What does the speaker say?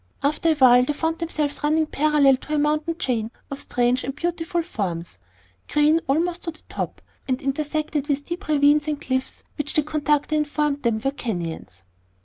After a while they found themselves running parallel to a mountain chain of strange and beautiful forms, green almost to the top, and intersected with deep ravines and cliffs which the conductor informed them were "canyons."